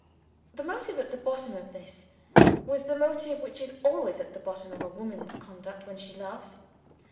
The motive at the bottom of this was the motive which is always at the bottom of a woman's conduct when she loves.